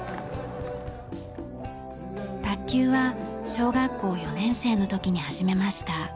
卓球は小学校４年生の時に始めました。